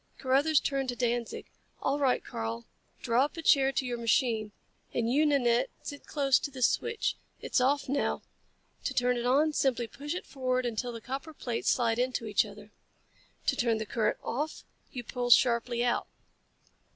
Carruthers turned to Danzig. "All right. Karl. Draw up a chair to your machine. And you, Nanette, sit close to this switch. It's off now. To turn it on, simply push it forward until the copper plates slide into each other. To turn the current off, you pull sharply out.